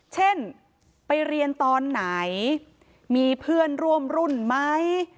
เช่นไปเรียนตอนไหนมีเพื่อนร่วมรุ่นไหม